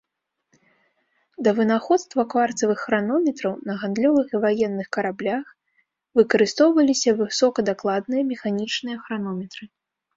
Да вынаходства кварцавых хранометраў, на гандлёвых і ваенных караблях выкарыстоўваліся высокадакладныя механічныя хранометры.